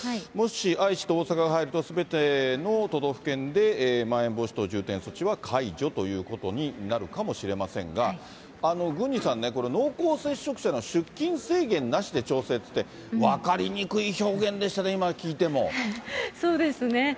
もし愛知と大阪が入ると、すべての都道府県でまん延防止等重点措置は解除ということになるかもしれませんが、郡司さんね、これ、濃厚接触者の出勤制限なしで調整って、分かりにくい表現でしたね、そうですね。